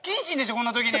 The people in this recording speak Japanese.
こんな時に。